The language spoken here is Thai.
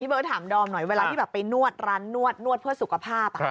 นะเบอร์ถามดอมหน่อยเวลาที่ไปนวดร้านนวดเนื้อดเพื่อสุขภาพ